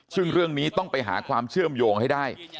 ซึ่งเรื่องนี้ต้องไปหาความเชื่อมโยงให้ได้